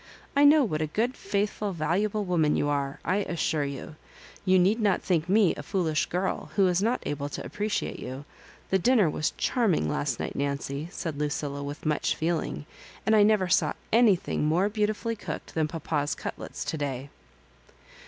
I know what a good, faithful, valua ble woman you are, I assure you. You need not think me a foolish girl who is hot able to appreciate you. The dinner was charming last night, Nancy," said Lucilla, with much feeling ;" and I never saw anything more beautifully cooked than papa's cutlets to day."